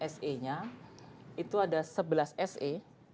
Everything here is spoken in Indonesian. se nya itu ada sebelas se